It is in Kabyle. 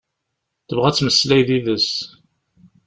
Tebɣa ad temmeslay yid-s.